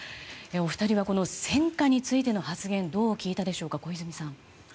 お二人はこの戦果についての発言どう聞いたでしょうか小泉さん。